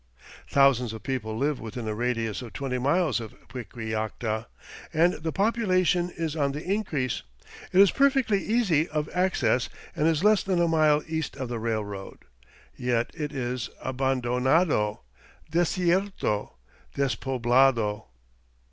Thousands of people live within a radius of twenty miles of Piquillacta, and the population is on the increase. It is perfectly easy of access and is less than a mile east of the railroad. Yet it is "abandonado desierto despoblado"!